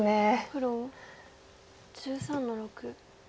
黒１３の六。